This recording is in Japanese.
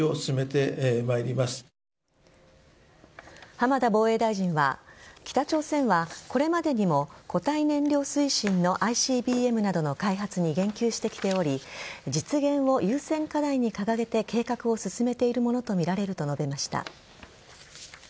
浜田防衛大臣は北朝鮮はこれまでにも固体燃料推進のＩＣＢＭなどの開発に言及してきており実現を優先課題に掲げて計画を進めているものとみられると述べました。